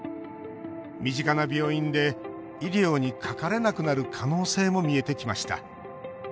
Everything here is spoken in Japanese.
身近な病院で医療にかかれなくなる可能性も見えてきました。